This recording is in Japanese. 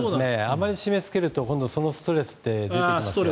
あまり締めつけるとそのストレスが出てきますので。